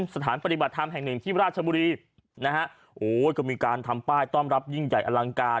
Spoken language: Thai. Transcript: สถานปฏิบัติธรรมแห่งหนึ่งที่ราชบุรีนะฮะโอ้ยก็มีการทำป้ายต้อนรับยิ่งใหญ่อลังการ